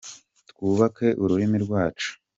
Twubake ururimi rwacu.